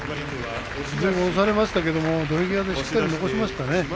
前半、押されましたが土俵際でしっかり残しましたね。